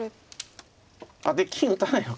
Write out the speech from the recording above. あっで金打たないの。